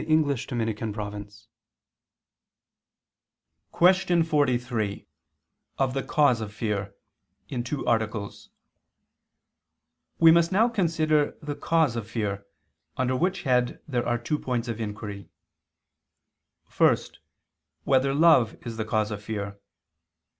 ________________________ QUESTION 43 OF THE CAUSE OF FEAR (In Two Articles) We must now consider the cause of fear: under which head there are two points of inquiry: (1) Whether love is the cause of fear?